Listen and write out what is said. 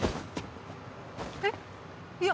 えっいや